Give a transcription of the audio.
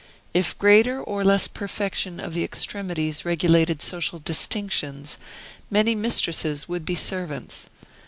If greater or less perfection of the extremities regulated social distinctions, many mistresses would be servants.